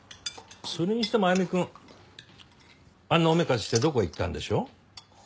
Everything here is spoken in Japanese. それにしても歩くんあんなおめかししてどこ行ったんでしょう？